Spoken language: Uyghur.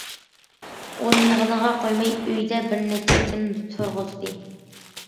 ئۇنىمىغىنىغا قويماي ئۆيىدە بىرنەچچە كۈن تۇرغۇزدى.